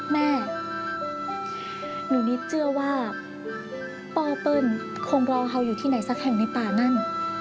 แม่หนูนิดเชื่อว่าปอเปิ้ลคงรอเขาอยู่ที่ไหนสักแห่งในป่านั่น